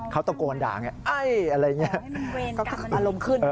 เขาตกโกนด่าเหมือนก้อนอรมขึ้น